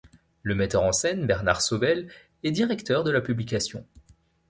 Le metteur en scène Bernard Sobel est directeur de la publication.